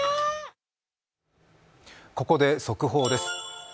ここで速報です。